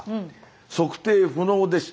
測定不能でした。